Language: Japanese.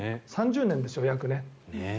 ３０年ですよ、約ね。